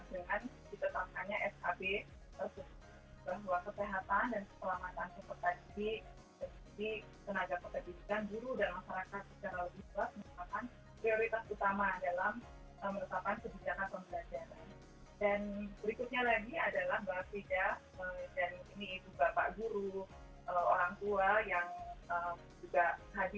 mari kita bergandingan tangan untuk memberikan yang terbaik untuk anak anak kita